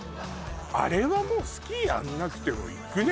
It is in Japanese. あれはもうスキーやんなくても行くね